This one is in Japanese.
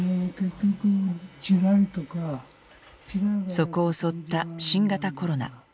そこを襲った新型コロナ。